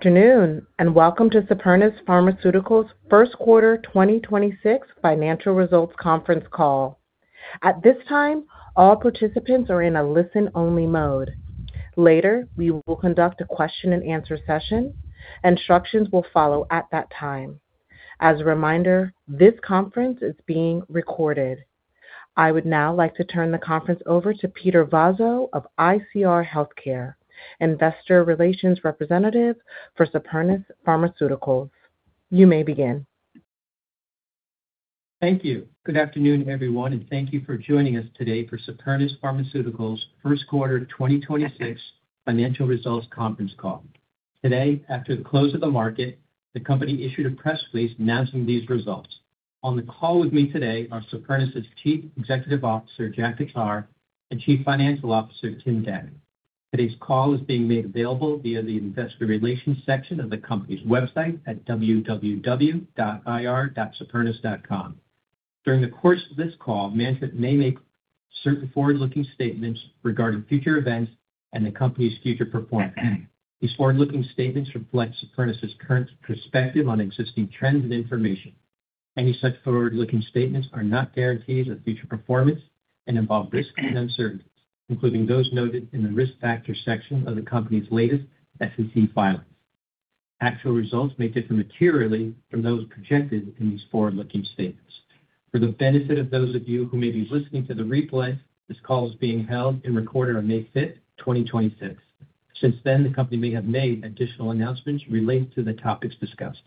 Afternoon, and welcome to Supernus Pharmaceuticals' Q1 2026 financial results conference call. At this time, all participants are in a listen-only mode. Later, we will conduct a question and answer session. Instructions will follow at that time. As a reminder, this conference is being recorded. I would now like to turn the conference over to Peter Vozzo of ICR Healthcare, investor relations representative for Supernus Pharmaceuticals. You may begin. Thank you. Good afternoon, everyone, and thank you for joining us today for Supernus Pharmaceuticals' Q1 2026 financial results conference call. Today, after the close of the market, the company issued a press release announcing these results. On the call with me today are Supernus' Chief Executive Officer, Jack Khattar, and Chief Financial Officer, Tim Gannon. Today's call is being made available via the investor relations section of the company's website at www.ir.supernus.com. During the course of this call, management may make certain forward-looking statements regarding future events and the company's future performance. These forward-looking statements reflect Supernus' current perspective on existing trends and information. Any such forward-looking statements are not guarantees of future performance and involve risks and uncertainties, including those noted in the risk factor section of the company's latest SEC filings. Actual results may differ materially from those projected in these forward-looking statements. For the benefit of those of you who may be listening to the replay, this call is being held and recorded on May fifth, 2026. Since then, the company may have made additional announcements related to the topics discussed.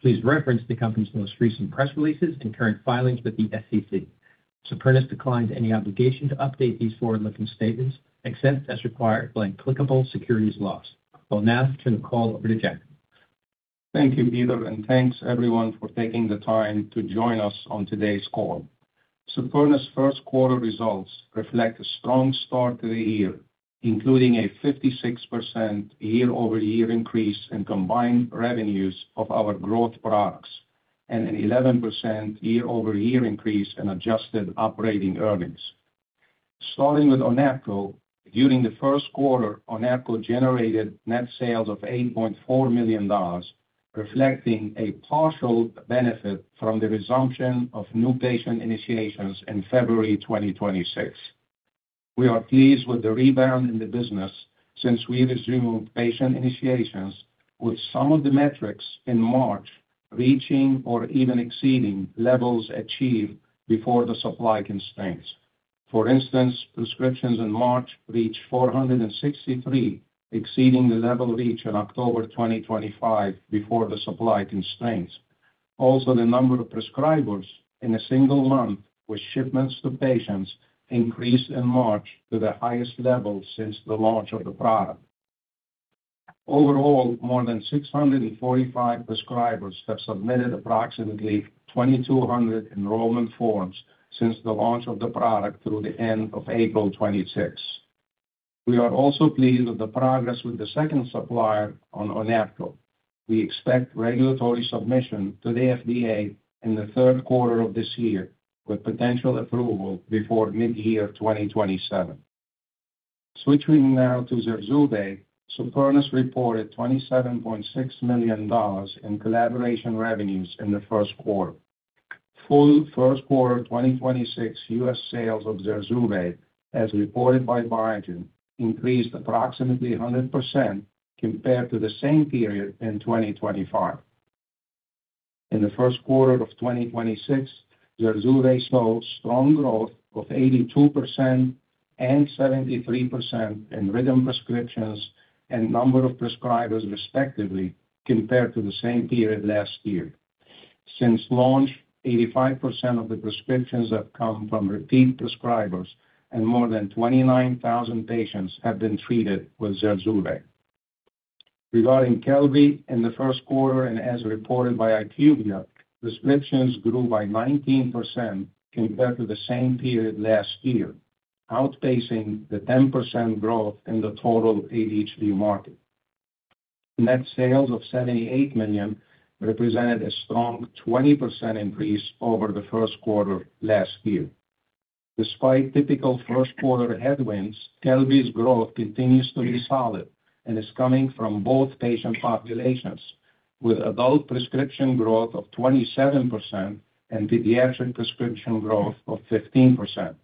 Please reference the company's most recent press releases and current filings with the SEC. Supernus declines any obligation to update these forward-looking statements except as required by applicable securities laws. I'll now turn the call over to Jack. Thank you, Peter, and thanks everyone for taking the time to join us on today's call. Supernus' Q1 results reflect a strong start to the year, including a 56% year-over-year increase in combined revenues of our growth products and an 11% year-over-year increase in adjusted operating earnings. Starting with ONAPGO, during the Q1, ONAPGO generated net sales of $8.4 million, reflecting a partial benefit from the resumption of new patient initiations in February 2026. We are pleased with the rebound in the business since we resumed patient initiations, with some of the metrics in March reaching or even exceeding levels achieved before the supply constraints. For instance, prescriptions in March reached 463, exceeding the level reached in October 2025 before the supply constraints. Also, the number of prescribers in a single month with shipments to patients increased in March to the highest level since the launch of the product. Overall, more than 645 prescribers have submitted approximately 2,200 enrollment forms since the launch of the product through the end of April 2026. We are also pleased with the progress with the second supplier on ONAPGO. We expect regulatory submission to the FDA in the Q3 of this year, with potential approval before mid-year 2027. Switching now to ZURZUVAE, Supernus reported $27.6 million in collaboration revenues in the Q1. Full Q1 2026 U.S. sales of ZURZUVAE, as reported by Biogen, increased approximately 100% compared to the same period in 2025. In the Q1 of 2026, ZURZUVAE saw strong growth of 82% and 73% in written prescriptions and number of prescribers, respectively, compared to the same period last year. Since launch, 85% of the prescriptions have come from repeat prescribers, and more than 29,000 patients have been treated with ZURZUVAE. Regarding Qelbree in the Q1, and as reported by IQVIA, prescriptions grew by 19% compared to the same period last year, outpacing the 10% growth in the total ADHD market. Net sales of $78 million represented a strong 20% increase over the Q1 last year. Despite typical Q1 headwinds, Qelbree's growth continues to be solid and is coming from both patient populations, with adult prescription growth of 27% and pediatric prescription growth of 15%.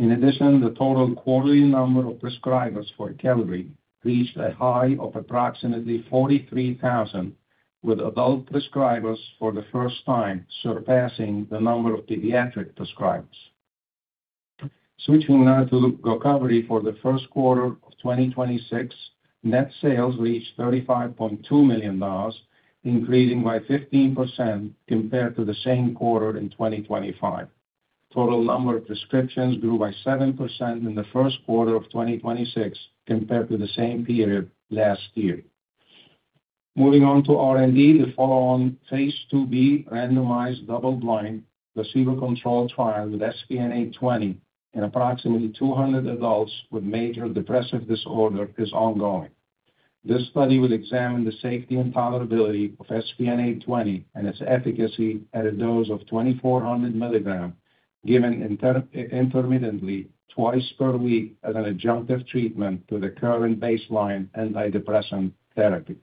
In addition, the total quarterly number of prescribers for Qelbree reached a high of approximately 43,000, with adult prescribers for the first time surpassing the number of pediatric prescribers. Switching now to GOCOVRI for the Q1 of 2026, net sales reached $35.2 million, increasing by 15% compared to the same quarter in 2025. Total number of prescriptions grew by 7% in the Q1 of 2026 compared to the same period last year. Moving on to R&D, the follow on Phase IIb randomized double-blind placebo-controlled trial with SPN-820 in approximately 200 adults with major depressive disorder is ongoing. This study will examine the safety and tolerability of SPN-820 and its efficacy at a dose of 2,400 milligrams given intermittently twice per week as an adjunctive treatment to the current baseline antidepressant therapy.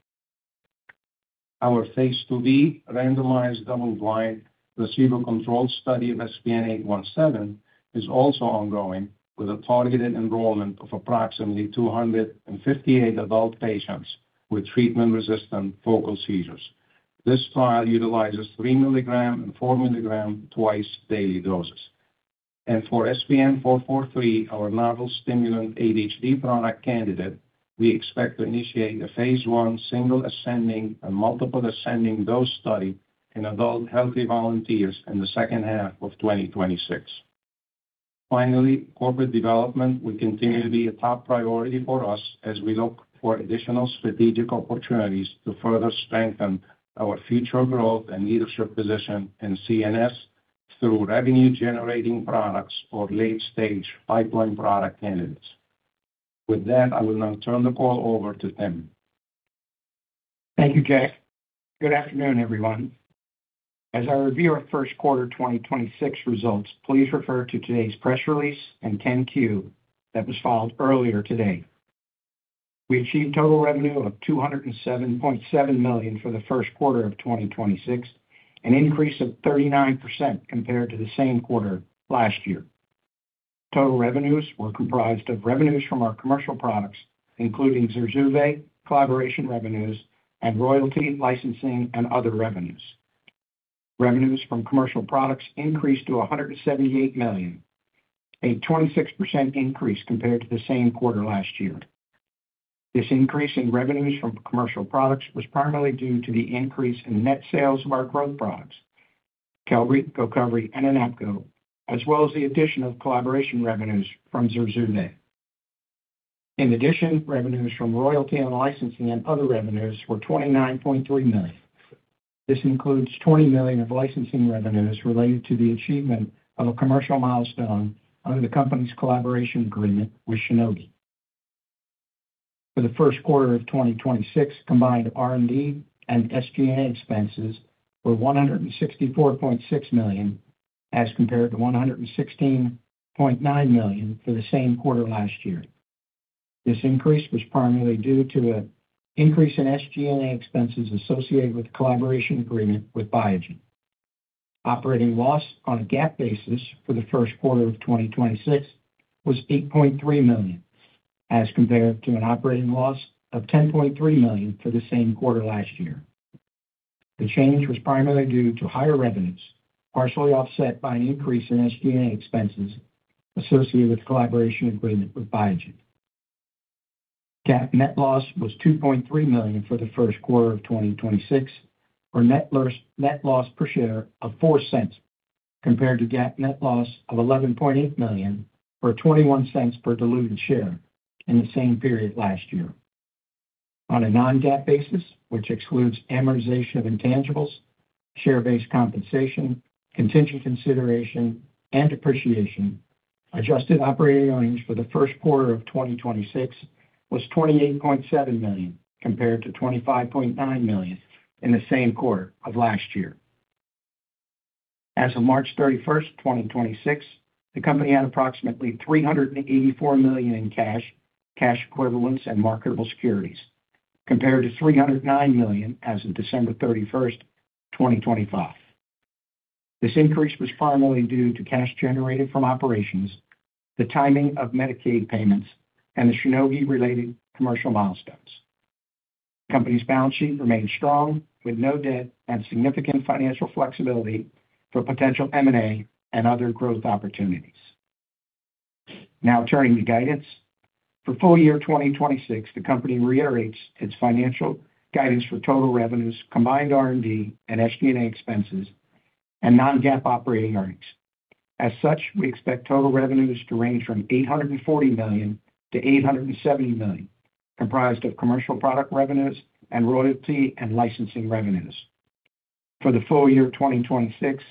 Our phase IIb randomized double-blind placebo-controlled study of SPN-817 is also ongoing, with a targeted enrollment of approximately 258 adult patients with treatment-resistant focal seizures. This trial utilizes 3 milligram and 4 milligram twice-daily doses. For SPN-443, our novel stimulant ADHD product candidate, we expect to initiate a phase I single ascending and multiple ascending dose study in adult healthy volunteers in the H2 of 2026. Finally, corporate development will continue to be a top priority for us as we look for additional strategic opportunities to further strengthen our future growth and leadership position in CNS through revenue-generating products or late-stage pipeline product candidates. With that, I will now turn the call over to Tim. Thank you, Jack. Good afternoon, everyone. As I review our Q1 2026 results, please refer to today's press release and 10-Q that was filed earlier today. We achieved total revenue of $207.7 million for the Q1 of 2026, an increase of 39% compared to the same quarter last year. Total revenues were comprised of revenues from our commercial products, including ZURZUVAE, collaboration revenues, and royalty, licensing, and other revenues. Revenues from commercial products increased to $178 million, a 26% increase compared to the same quarter last year. This increase in revenues from commercial products was primarily due to the increase in net sales of our growth products, Qelbree, GOCOVRI, and ONAPGO, as well as the addition of collaboration revenues from ZURZUVAE. In addition, revenues from royalty and licensing and other revenues were $29.3 million. This includes $20 million of licensing revenues related to the achievement of a commercial milestone under the company's collaboration agreement with Shionogi. For the Q1 of 2026, combined R&D and SG&A expenses were $164.6 million, as compared to $116.9 million for the same quarter last year. This increase was primarily due to an increase in SG&A expenses associated with the collaboration agreement with Biogen. Operating loss on a GAAP basis for the Q1 of 2026 was $8.3 million, as compared to an operating loss of $10.3 million for the same quarter last year. The change was primarily due to higher revenues, partially offset by an increase in SG&A expenses associated with the collaboration agreement with Biogen. GAAP net loss was $2.3 million for the Q1 of 2026, or net loss per share of $0.04, compared to GAAP net loss of $11.8 million, or $0.21 per diluted share in the same period last year. On a non-GAAP basis, which excludes amortization of intangibles, share-based compensation, contingent consideration, and depreciation, adjusted operating earnings for the Q1 of 2026 was $28.7 million, compared to $25.9 million in the same quarter of last year. As of March 31st, 2026, the company had approximately $384 million in cash equivalents, and marketable securities, compared to $309 million as of December 31st, 2025. This increase was primarily due to cash generated from operations, the timing of Medicaid payments, and the Shionogi-related commercial milestones. Company's balance sheet remains strong, with no debt and significant financial flexibility for potential M&A and other growth opportunities. Turning to guidance. For full year 2026, the company reiterates its financial guidance for total revenues, combined R&D and SG&A expenses, and non-GAAP operating earnings. We expect total revenues to range from $840 million-$870 million, comprised of commercial product revenues and royalty and licensing revenues. For the full year 2026,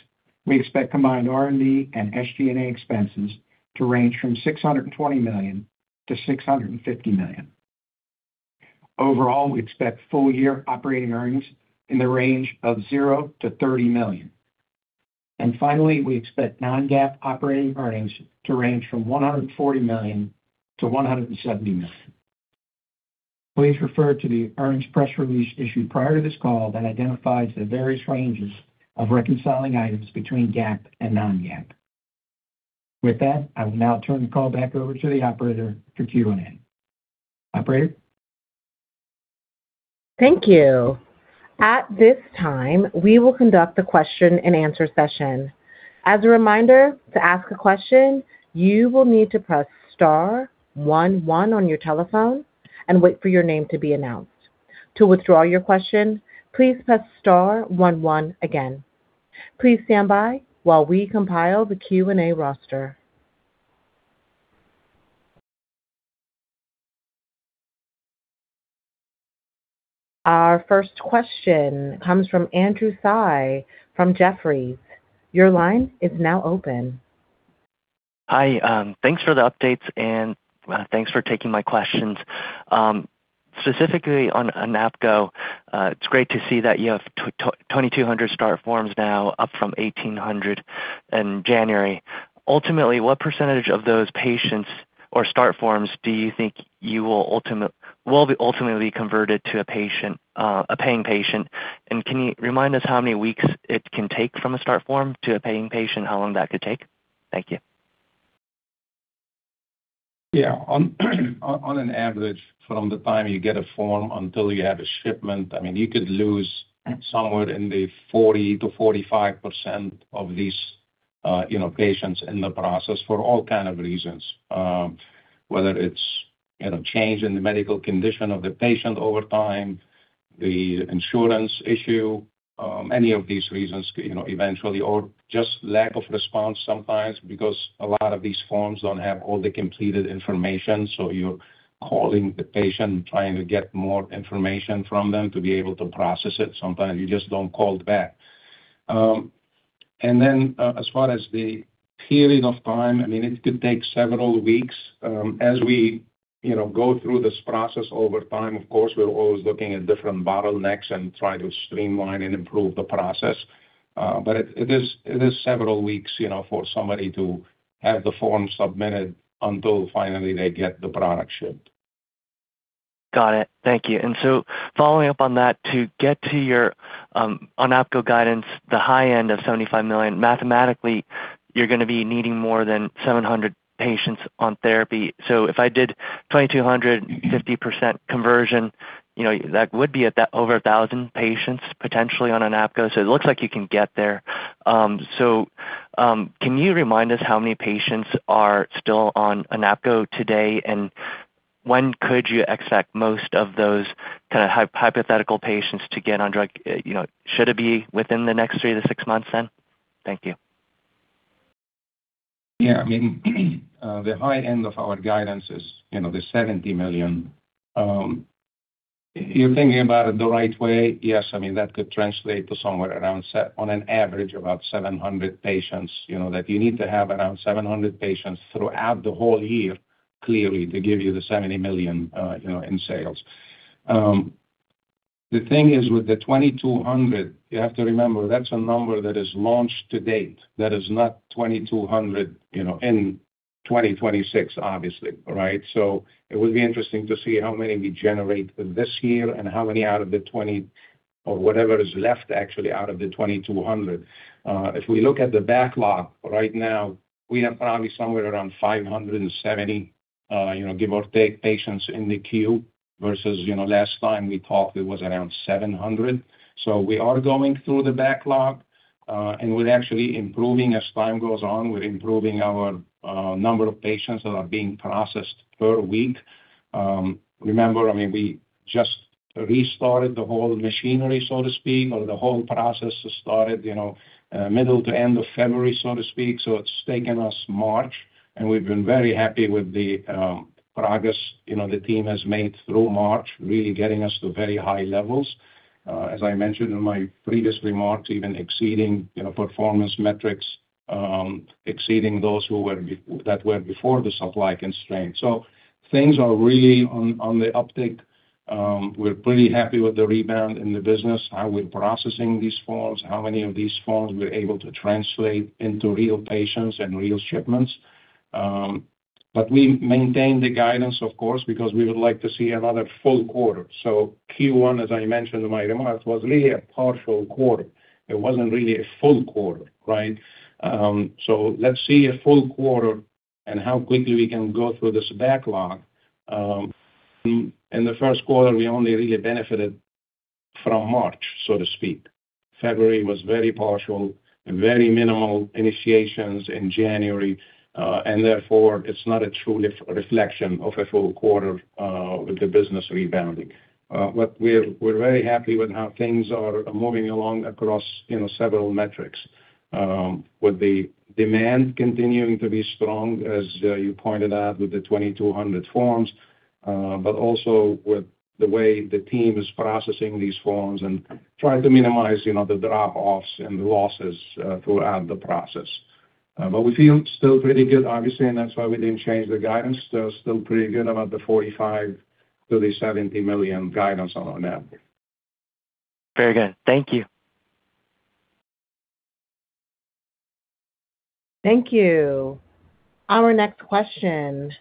we expect combined R&D and SG&A expenses to range from $620 million-$650 million. We expect full year operating earnings in the range of $0-$30 million. Finally, we expect non-GAAP operating earnings to range from $140 million-$170 million. Please refer to the earnings press release issued prior to this call that identifies the various ranges of reconciling items between GAAP and non-GAAP. With that, I will now turn the call back over to the operator for Q&A. Operator? Thank you. At this time, we will conduct a question and answer session. As a reminder, to ask a question you will need to press star one one on your telephone and wait for your name to be announced. To withdraw your question, please press star one one again. Please stand by, while we compile the Q&A roster. Our first question comes from Andrew Tsai from Jefferies. Your line is now open. Hi, thanks for the updates. Thanks for taking my questions. Specifically on ONAPGO, it's great to see that you have 2,200 start forms now, up from 1,800. In January. Ultimately, what percentage of those patients or start forms do you think you will be ultimately converted to a patient, a paying patient? Can you remind us how many weeks it can take from a start form to a paying patient, how long that could take? Thank you. Yeah. On an average, from the time you get a form until you have a shipment, I mean, you could lose somewhere in the 40%-45% of these, you know, patients in the process for all kind of reasons. Whether it's, you know, change in the medical condition of the patient over time, the insurance issue, any of these reasons, you know, eventually or just lack of response sometimes because a lot of these forms don't have all the completed information, so you're calling the patient and trying to get more information from them to be able to process it. Sometimes you just don't call back. As far as the period of time, I mean, it could take several weeks. As we, you know, go through this process over time, of course, we're always looking at different bottlenecks and try to streamline and improve the process. It is several weeks, you know, for somebody to have the form submitted until finally they get the product shipped. Got it. Thank you. Following up on that, to get to your ONAPGO guidance, the high end of $75 million, mathematically, you're gonna be needing more than 700 patients on therapy. If I did 2,200, 50% conversion, you know, that would be at that over 1,000 patients potentially on ONAPGO. It looks like you can get there. Can you remind us how many patients are still on ONAPGO today? And when could you expect most of those kinda hypothetical patients to get on drug, you know, should it be within the next 3-6 months then? Thank you. Yeah. I mean, the high end of our guidance is, you know, the $70 million. You're thinking about it the right way. Yes. I mean, that could translate to somewhere around on an average, about 700 patients, you know, that you need to have around 700 patients throughout the whole year, clearly, to give you the $70 million, you know, in sales. The thing is, with the 2,200, you have to remember that's a number that is launched to date. That is not 2,200, you know, in 2026 obviously, right? It would be interesting to see how many we generate this year and how many out of the 20 or whatever is left actually out of the 2,200. If we look at the backlog right now, we have probably somewhere around 570, you know, give or take patients in the queue versus, you know, last time we talked, it was around 700. We are going through the backlog, and we're actually improving as time goes on. We're improving our number of patients that are being processed per week. Remember, I mean, we just restarted the whole machinery, so to speak, or the whole process started, you know, middle to end of February, so to speak. It's taken us March, and we've been very happy with the progress, you know, the team has made through March, really getting us to very high levels. As I mentioned in my previous remarks, even exceeding, you know, performance metrics, exceeding those who were before the supply constraints. Things are really on the uptick. We're pretty happy with the rebound in the business, how we're processing these forms, how many of these forms we're able to translate into real patients and real shipments. We maintain the guidance, of course, because we would like to see another full quarter. Q1, as I mentioned in my remarks, was really a partial quarter. It wasn't really a full quarter, right? Let's see a full quarter and how quickly we can go through this backlog. In the Q1, we only really benefited from March, so to speak. February was very partial and very minimal initiations in January, therefore, it's not a true reflection of a full quarter with the business rebounding. We're very happy with how things are moving along across, you know, several metrics. With the demand continuing to be strong, as you pointed out with the 2,200 forms, but also with the way the team is processing these forms and trying to minimize, you know, the drop-offs and the losses throughout the process. We feel still pretty good, obviously, and that's why we didn't change the guidance. Still pretty good about the $45 million-$70 million guidance on ONAPGO. Very good. Thank you. Thank you. Our next question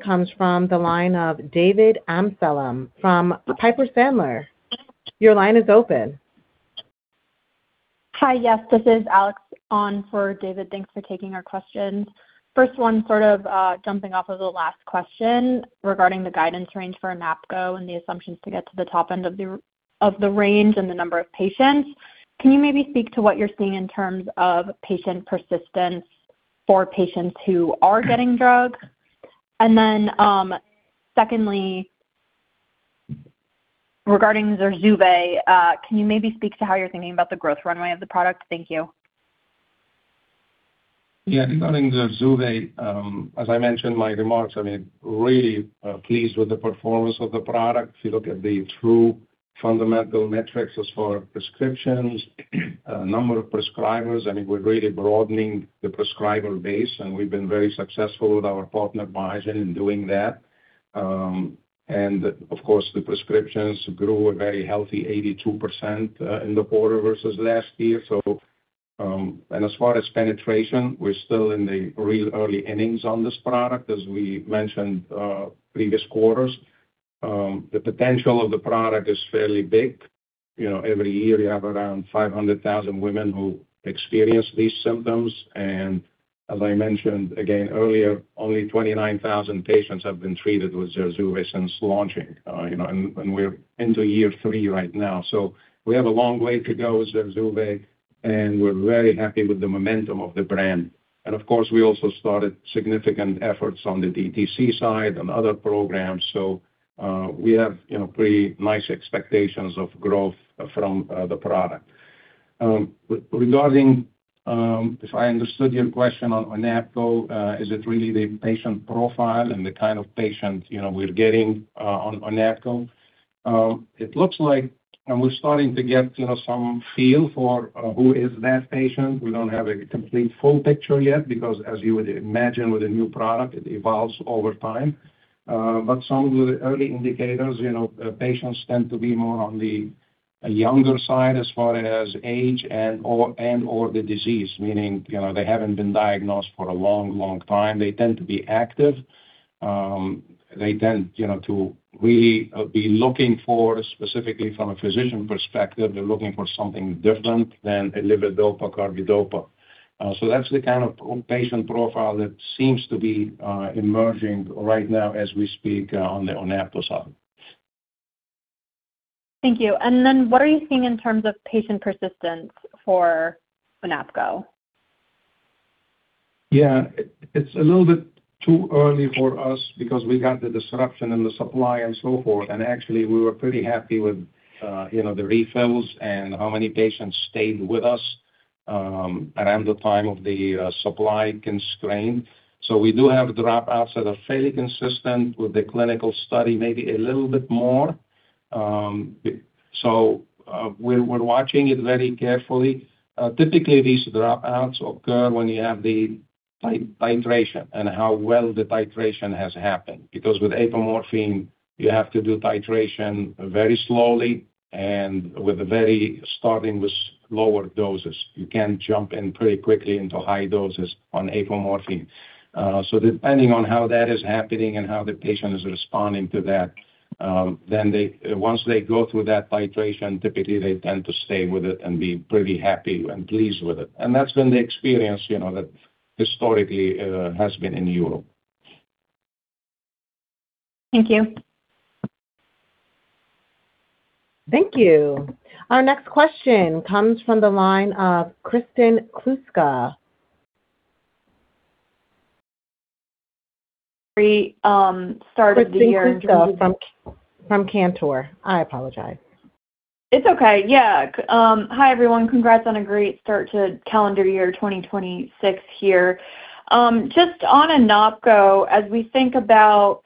comes from the line of David Amsellem from Piper Sandler. Your line is open. Hi. Yes, this is Alex on for David. Thanks for taking our questions. First one, sort of, jumping off of the last question regarding the guidance range for ONAPGO and the assumptions to get to the top end of the, of the range and the number of patients. Can you maybe speak to what you're seeing in terms of patient persistence for patients who are getting drugs? Secondly, regarding ZURZUVAE, can you maybe speak to how you're thinking about the growth runway of the product? Thank you. Yeah. Regarding ZURZUVAE, as I mentioned in my remarks, I mean, really pleased with the performance of the product. If you look at the true fundamental metrics as far as prescriptions, number of prescribers, I mean, we're really broadening the prescriber base, and we've been very successful with our partner, Eisai, in doing that. Of course, the prescriptions grew a very healthy 82% in the quarter versus last year. As far as penetration, we're still in the real early innings on this product, as we mentioned previous quarters. The potential of the product is fairly big. You know, every year you have around 500,000 women who experience these symptoms. As I mentioned again earlier, only 29,000 patients have been treated with ZURZUVAE since launching, you know, and we're into year three right now. We have a long way to go with ZURZUVAE, and we're very happy with the momentum of the brand. Of course, we also started significant efforts on the DTC side and other programs. We have, you know, pretty nice expectations of growth from the product. Regarding, if I understood your question on ONAPGO, is it really the patient profile and the kind of patient, you know, we're getting on ONAPGO? It looks like we're starting to get, you know, some feel for who is that patient. We don't have a complete full picture yet because as you would imagine with a new product, it evolves over time. Some of the early indicators, you know, patients tend to be more on the younger side as far as age and/or, and/or the disease, meaning, you know, they haven't been diagnosed for a long, long time. They tend to be active. They tend, you know, to really be looking for specifically from a physician perspective, they're looking for something different than a levodopa carbidopa. That's the kind of patient profile that seems to be emerging right now as we speak on the ONAPGO side. Thank you. What are you seeing in terms of patient persistence for ONAPGO? Yeah. It's a little bit too early for us because we got the disruption in the supply and so forth. Actually, we were pretty happy with, you know, the refills and how many patients stayed with us around the time of the supply constraint. We do have dropouts that are fairly consistent with the clinical study, maybe a little bit more. We're watching it very carefully. Typically these dropouts occur when you have the titration and how well the titration has happened. With apomorphine, you have to do titration very slowly and with a very starting with lower doses. You can't jump in pretty quickly into high doses on apomorphine. Depending on how that is happening and how the patient is responding to that, Once they go through that titration, typically they tend to stay with it and be pretty happy and pleased with it. That's been the experience, you know, that historically has been in Europe. Thank you. Thank you. Our next question comes from the line of Kristen Kluska. Pre, start of the year Kristen Kluska from Cantor. I apologize. It's okay. Yeah. Hi, everyone. Congrats on a great start to calendar year 2026 here. Just on ONAPGO, as we think about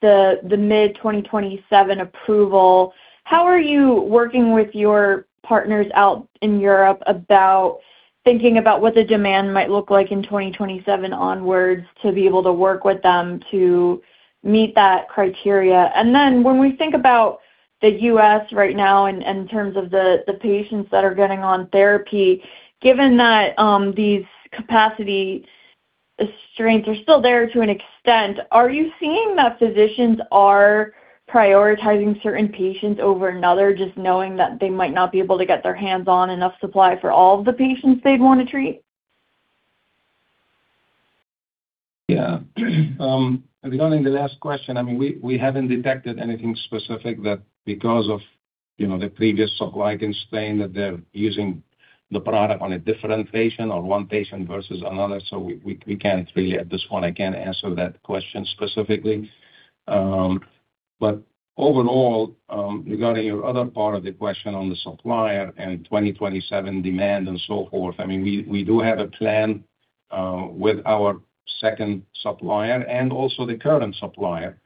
the mid 2027 approval, how are you working with your partners out in Europe about thinking about what the demand might look like in 2027 onwards to be able to work with them to meet that criteria? When we think about the U.S. right now in terms of the patients that are getting on therapy, given that these capacity strengths are still there to an extent, are you seeing that physicians are prioritizing certain patients over another, just knowing that they might not be able to get their hands on enough supply for all of the patients they'd want to treat? Yeah. Regarding the last question, I mean, we haven't detected anything specific that because of, you know, the previous supply constraint, that they're using the product on a different patient or one patient versus another. We can't really at this point, again, answer that question specifically. Overall, regarding your other part of the question on the supplier and 2027 demand and so forth, I mean, we do have a plan with our second supplier and also the current supplier,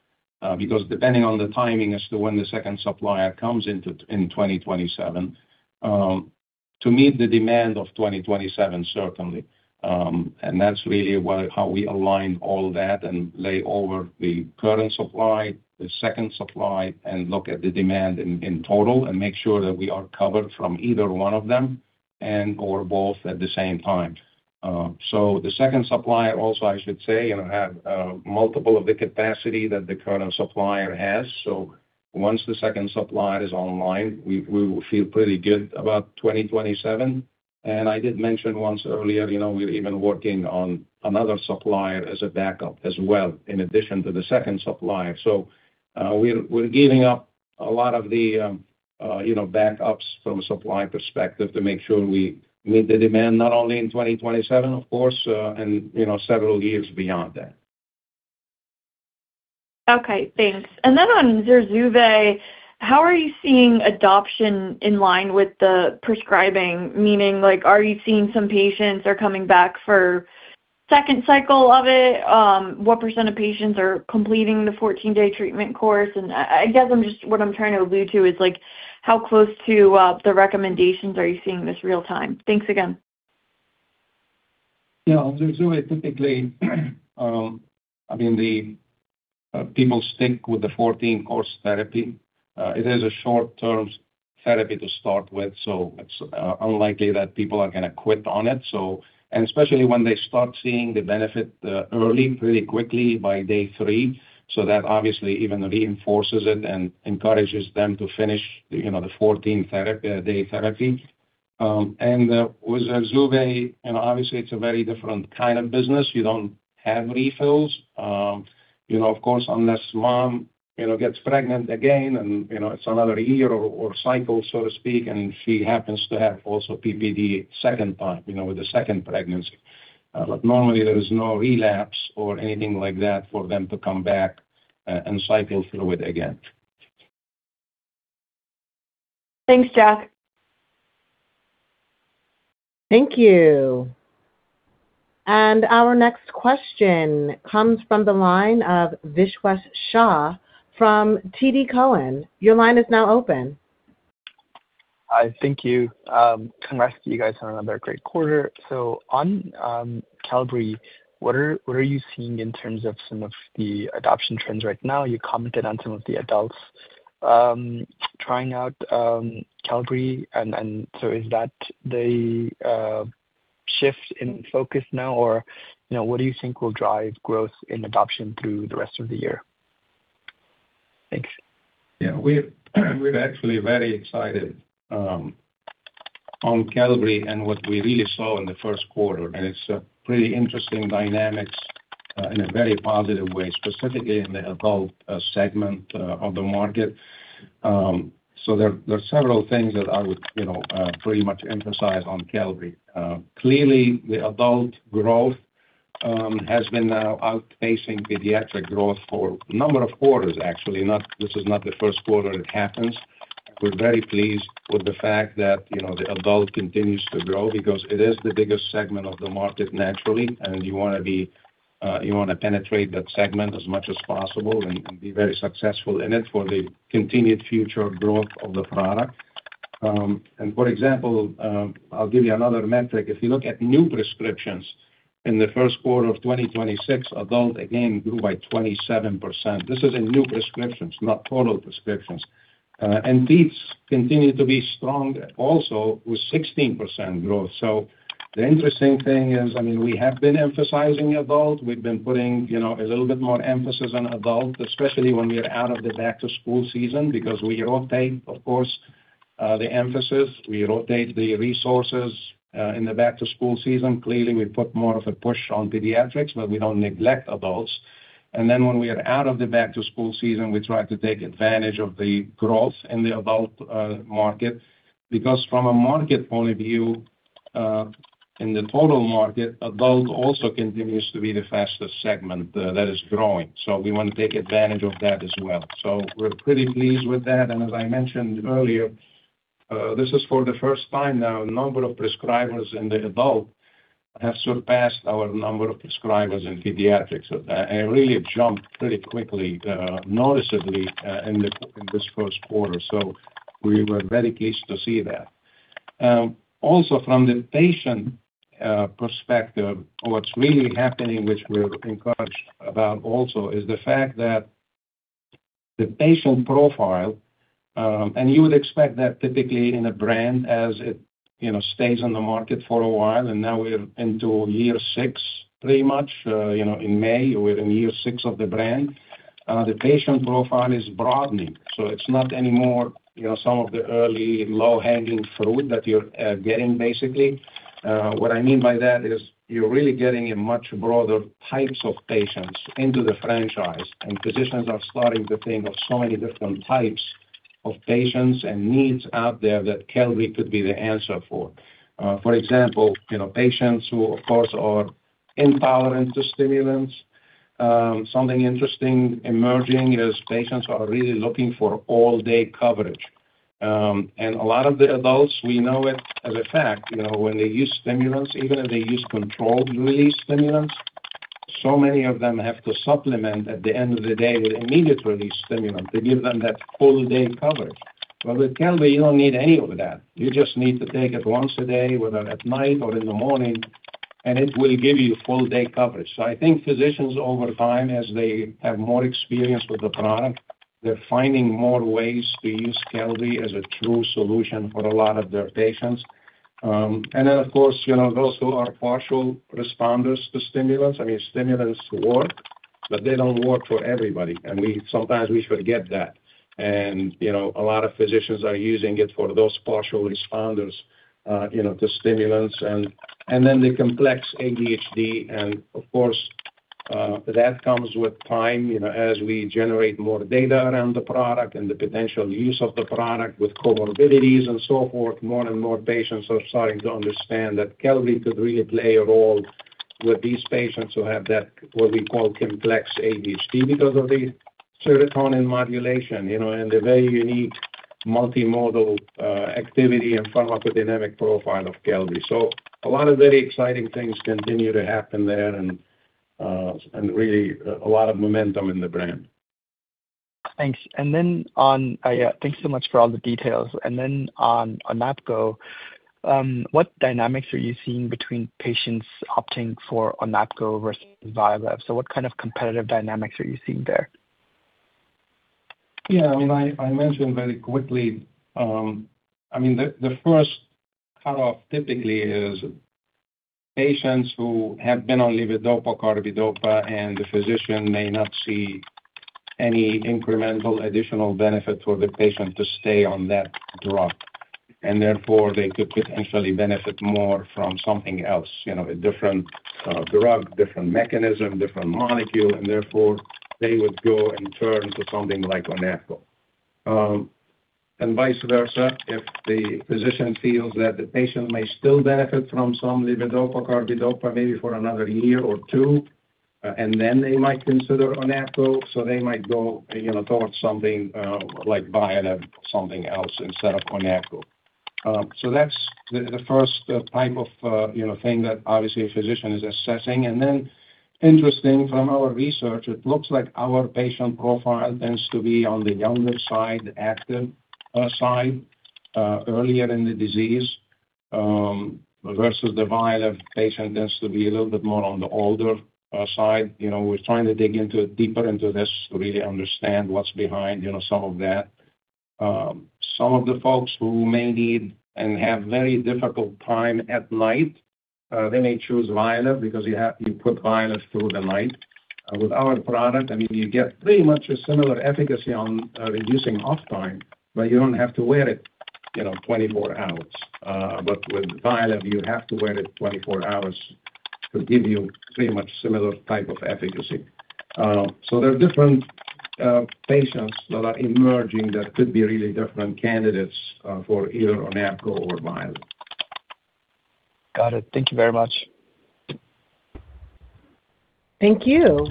because depending on the timing as to when the second supplier comes into in 2027, to meet the demand of 2027, certainly. That's really how we align all that and lay over the current supply, the second supply, and look at the demand in total and make sure that we are covered from either one of them and/or both at the same time. The second supplier also, I should say, have multiple of the capacity that the current supplier has. Once the second supplier is online, we will feel pretty good about 2027. I did mention once earlier, you know, we're even working on another supplier as a backup as well, in addition to the second supplier. We're giving up a lot of the, you know, backups from a supply perspective to make sure we meet the demand not only in 2027, of course, and you know, several years beyond that. Okay, thanks. On ZURZUVAE, how are you seeing adoption in line with the prescribing? Meaning, like, are you seeing some patients are coming back for second cycle of it? What % of patients are completing the 14-day treatment course? What I'm trying to allude to is like, how close to the recommendations are you seeing this real-time? Thanks again. Yeah, with ZURZUVAE typically, I mean, people stick with the 14-course therapy. It is a short-term therapy to start with, so it's unlikely that people are going to quit on it. And especially when they start seeing the benefit early, pretty quickly by day three. That obviously even reinforces it and encourages them to finish, you know, the 14-day therapy. And with ZURZUVAE, you know, obviously it's a very different kind of business. You don't have refills. You know, of course, unless mom, you know, gets pregnant again and, you know, it's another year or cycle, so to speak, and she happens to have also PPD second time, you know, with the second pregnancy. Normally there is no relapse or anything like that for them to come back, and cycle through it again. Thanks, Jack. Thank you. Our next question comes from the line of Vishwesh Shah from TD Cowen. Your line is now open. Hi. Thank you. Congrats to you guys on another great quarter. On Qelbree, what are you seeing in terms of some of the adoption trends right now? You commented on some of the adults, trying out, Qelbree. Is that the shift in focus now? You know, what do you think will drive growth in adoption through the rest of the year? Thanks. Yeah. We're actually very excited on Qelbree and what we really saw in the Q1, and it's a pretty interesting dynamics in a very positive way, specifically in the adult segment of the market. There are several things that I would, you know, pretty much emphasize on Qelbree. Clearly the adult growth has been now outpacing pediatric growth for a number of quarters, actually. This is not the Q1 it happens. We're very pleased with the fact that, you know, the adult continues to grow because it is the biggest segment of the market naturally, and you wanna be, you wanna penetrate that segment as much as possible and be very successful in it for the continued future growth of the product. For example, I'll give you another metric. If you look at new prescriptions in the Q1 of 2026, adult again grew by 27%. This is in new prescriptions, not total prescriptions. Pediatrics continue to be strong also with 16% growth. The interesting thing is, I mean, we have been emphasizing adult. We've been putting, you know, a little bit more emphasis on adult, especially when we are out of this back to school season because we rotate, of course, the emphasis, we rotate the resources. In the back to school season, clearly we put more of a push on pediatrics, but we don't neglect adults. When we are out of the back to school season, we try to take advantage of the growth in the adult market because from a market point of view, in the total market, adult also continues to be the fastest segment that is growing. We want to take advantage of that as well. We're pretty pleased with that. As I mentioned earlier, this is for the first time now, number of prescribers in the adult have surpassed our number of prescribers in pediatrics. Really jumped pretty quickly, noticeably, in the, in this Q1. We were very pleased to see that. Also from the patient perspective, what's really happening, which we're encouraged about also, is the fact that the patient profile, and you would expect that typically in a brand as it, you know, stays on the market for a while, and now we're into year 6 pretty much. You know, in May, we're in year 6 of the brand. The patient profile is broadening, so it's not anymore, you know, some of the early low-hanging fruit that you're getting basically. What I mean by that is you're really getting a much broader types of patients into the franchise, and physicians are starting to think of so many different types of patients and needs out there that Qelbree could be the answer for. For example, you know, patients who of course are intolerant to stimulants. Something interesting emerging is patients are really looking for all-day coverage. A lot of the adults, we know it as a fact, you know, when they use stimulants, even if they use controlled release stimulants, so many of them have to supplement at the end of the day with immediate release stimulant to give them that full day coverage. With Qelbree, you don't need any of that. You just need to take it once a day, whether at night or in the morning, it will give you full day coverage. I think physicians over time, as they have more experience with the product, they're finding more ways to use Qelbree as a true solution for a lot of their patients. Of course, you know, those who are partial responders to stimulants. I mean, stimulants work, but they don't work for everybody, and sometimes we forget that. You know, a lot of physicians are using it for those partial responders, you know, to stimulants and then the complex ADHD and of course, that comes with time, you know, as we generate more data around the product and the potential use of the product with comorbidities and so forth. More and more patients are starting to understand that Qelbree could really play a role with these patients who have that, what we call complex ADHD because of the serotonin modulation, you know, and the very unique multimodal activity and pharmacodynamic profile of Qelbree. A lot of very exciting things continue to happen there and really a lot of momentum in the brand. Thanks. Yeah, thanks so much for all the details. On ONAPGO, what dynamics are you seeing between patients opting for ONAPGO versus VYALEV? What kind of competitive dynamics are you seeing there? Yeah. I mean, I mentioned very quickly, the first cut-off typically is patients who have been on levodopa carbidopa, and the physician may not see any incremental additional benefit for the patient to stay on that drug. Therefore, they could potentially benefit more from something else, you know, a different drug, different mechanism, different molecule, and therefore they would go and turn to something like ONAPGO. Vice versa, if the physician feels that the patient may still benefit from some levodopa carbidopa, maybe for another year or two, then they might consider ONAPGO. They might go, you know, towards something like VYALEV, something else instead of ONAPGO. That's the first, you know, thing that obviously a physician is assessing. Interesting from our research, it looks like our patient profile tends to be on the younger side, active, side, earlier in the disease, versus the VYALEV patient tends to be a little bit more on the older side. You know, we're trying to dig into deeper into this to really understand what's behind, you know, some of that. Some of the folks who may need and have very difficult time at night, they may choose VYALEV because you put VYALEV through the night. With our product, I mean, you get pretty much a similar efficacy on reducing off-time, but you don't have to wear it, you know, 24 hours. But with VYALEV, you have to wear it 24 hours to give you pretty much similar type of efficacy. There are different patients that are emerging that could be really different candidates for either ONAPGO or VYALEV. Got it. Thank you very much. Thank you.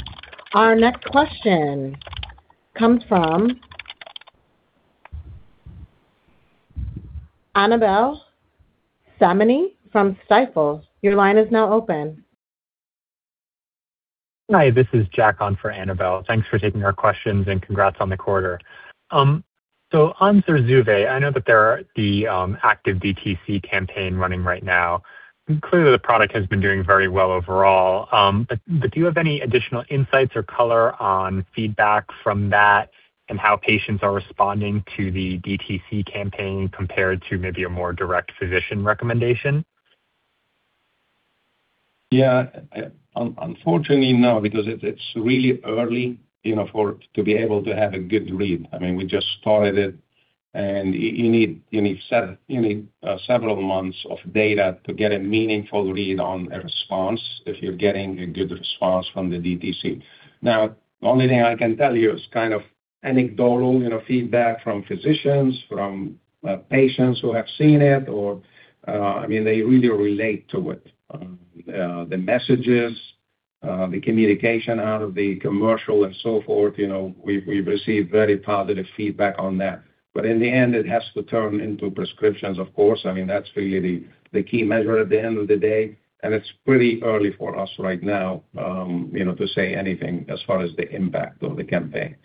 Our next question comes from Annabel Samimy from Stifel. Hi, this is Jack on for Annabel. Thanks for taking our questions, and congrats on the quarter. On ZURZUVAE, I know that there are the active DTC campaign running right now. Clearly, the product has been doing very well overall. Do you have any additional insights or color on feedback from that and how patients are responding to the DTC campaign compared to maybe a more direct physician recommendation? Yeah. Unfortunately, no, because it's really early, you know, to be able to have a good read. I mean, we just started it, and you need several months of data to get a meaningful read on a response if you're getting a good response from the DTC. The only thing I can tell you is kind of anecdotal, you know, feedback from physicians, from patients who have seen it or, I mean, they really relate to it. The messages, the communication out of the commercial and so forth, you know, we've received very positive feedback on that. In the end, it has to turn into prescriptions, of course. I mean, that's really the key measure at the end of the day, and it's pretty early for us right now, you know, to say anything as far as the impact of the campaign.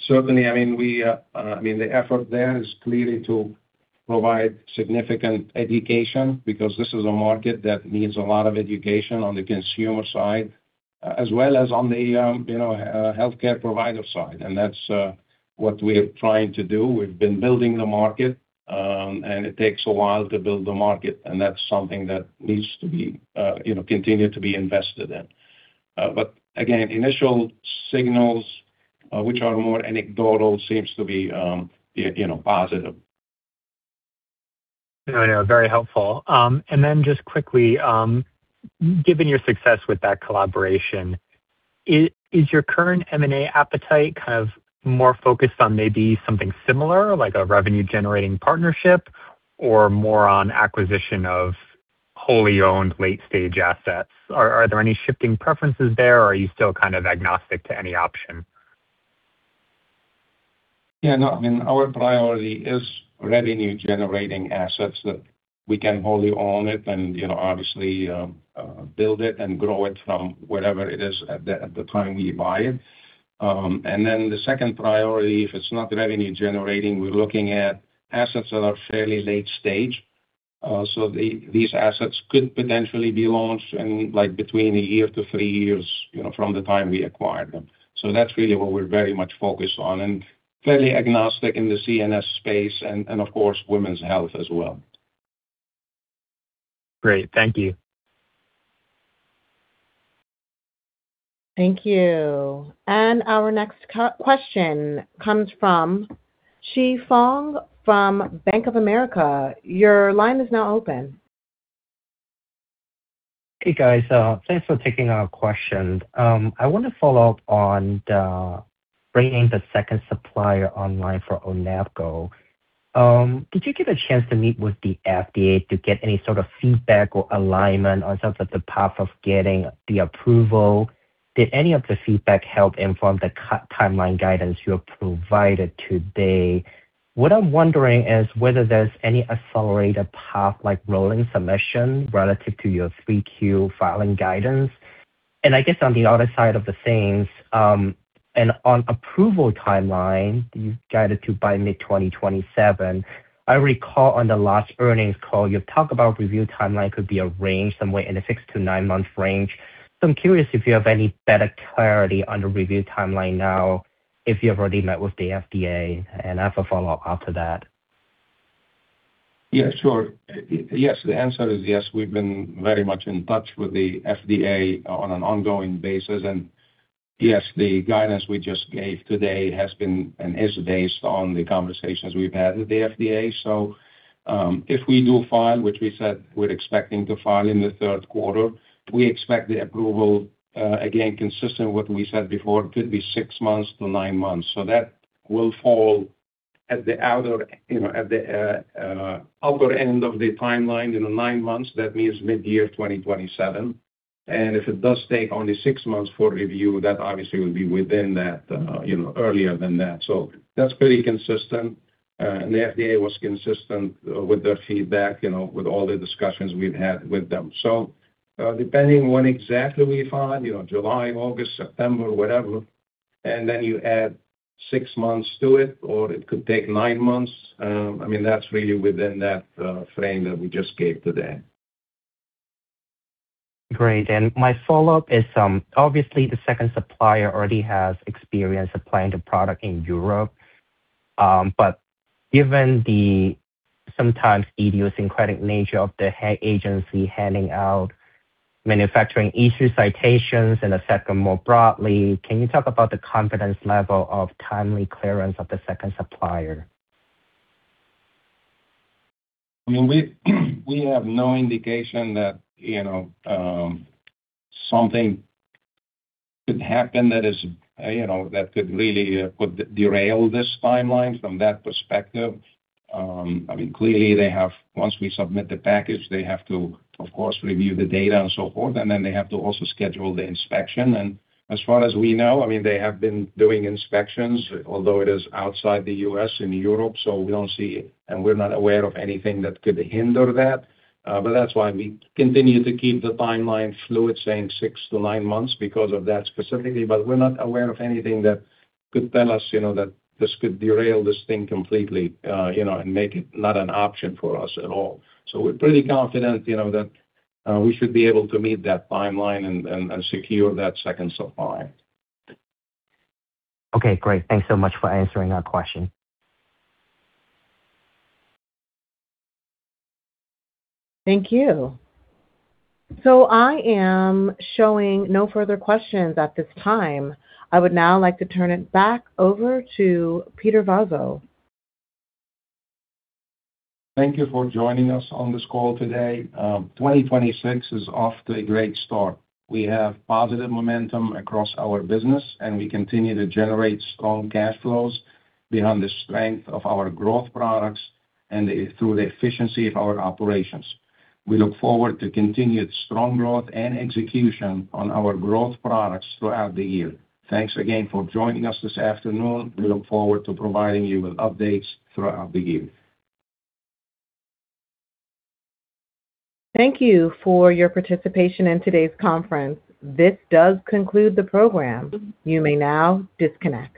Certainly, I mean, we, I mean, the effort there is clearly to provide significant education because this is a market that needs a lot of education on the consumer side as well as on the, you know, healthcare provider side. That's what we're trying to do. We've been building the market, and it takes a while to build the market, and that's something that needs to be, you know, continued to be invested in. Again, initial signals, which are more anecdotal, seems to be, yeah, you know, positive. No, no, very helpful. Then just quickly, given your success with that collaboration, is your current M&A appetite kind of more focused on maybe something similar, like a revenue-generating partnership or more on acquisition of wholly owned late-stage assets? Are there any shifting preferences there, or are you still kind of agnostic to any option? No, I mean, our priority is revenue-generating assets that we can wholly own it and, you know, obviously, build it and grow it from whatever it is at the time we buy it. And then the second priority, if it's not revenue-generating, we're looking at assets that are fairly late stage. So these assets could potentially be launched in, between a year to three years, you know, from the time we acquired them. That's really what we're very much focused on and fairly agnostic in the CNS space and of course, women's health as well. Great. Thank you. Thank you. Our next question comes from Qi Fang from Bank of America. Your line is now open. Hey, guys. Thanks for taking our question. I want to follow up on the bringing the second supplier online for ONAPGO. Did you get a chance to meet with the FDA to get any sort of feedback or alignment on some of the path of getting the approval? Did any of the feedback help inform the timeline guidance you provided today? What I'm wondering is whether there's any accelerated path like rolling submission relative to your Q3 filing guidance. I guess on the other side of the things, on approval timeline you've guided to by mid 2027. I recall on the last earnings call you talked about review timeline could be arranged somewhere in the six to nine month range. I'm curious if you have any better clarity on the review timeline now, if you have already met with the FDA. I have a follow-up after that. Yeah, sure. Yes, the answer is yes. We've been very much in touch with the FDA on an ongoing basis. Yes, the guidance we just gave today has been and is based on the conversations we've had with the FDA. If we do file, which we said we're expecting to file in the Q3, we expect the approval, again, consistent with what we said before, could be six months to nine months. That will fall at the outer, you know, at the upper end of the timeline in the nine months. That means mid-year 2027. If it does take only six months for review, that obviously will be within that, you know, earlier than that. That's pretty consistent. The FDA was consistent with their feedback, you know, with all the discussions we've had with them. Depending when exactly we file, you know, July, August, September, whatever, and then you add six months to it, or it could take nine months, I mean, that's really within that frame that we just gave today. Great. My follow-up is, obviously the second supplier already has experience supplying the product in Europe. Given the sometimes idiosyncratic nature of the agency handing out manufacturing issue citations and the second, more broadly, can you talk about the confidence level of timely clearance of the second supplier? We have no indication that something could happen that could really would derail this timeline from that perspective. Clearly Once we submit the package, they have to of course review the data and so forth, and then they have to also schedule the inspection. As far as we know, they have been doing inspections, although it is outside the U.S. in Europe, so we don't see, and we're not aware of anything that could hinder that. That's why we continue to keep the timeline fluid, saying 6 to 9 months because of that specifically. We're not aware of anything that could tell us that this could derail this thing completely and make it not an option for us at all. We're pretty confident, you know, that we should be able to meet that timeline and secure that second supplier. Okay, great. Thanks so much for answering our question. Thank you. I am showing no further questions at this time. I would now like to turn it back over to Peter Vozzo. Thank you for joining us on this call today. 2026 is off to a great start. We have positive momentum across our business, and we continue to generate strong cash flows behind the strength of our growth products and through the efficiency of our operations. We look forward to continued strong growth and execution on our growth products throughout the year. Thanks again for joining us this afternoon. We look forward to providing you with updates throughout the year. Thank you for your participation in today's conference. This does conclude the program. You may now disconnect.